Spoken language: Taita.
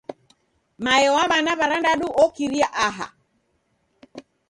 Mae wa w'ana w'arandadu okiria aha!